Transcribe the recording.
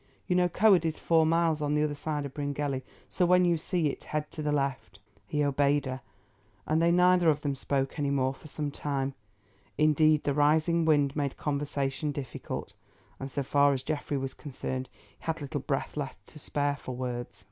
You know Coed is four miles on the other side of Bryngelly, so when you see it head to the left." He obeyed her, and they neither of them spoke any more for some time. Indeed the rising wind made conversation difficult, and so far as Geoffrey was concerned he had little breath left to spare for words.